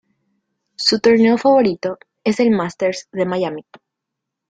Su torneo favorito es el Masters de Miami.